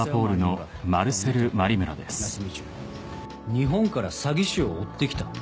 日本から詐欺師を追ってきた？